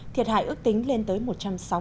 thiệt hại ước tính lên tới một trăm sáu mươi tỷ đồng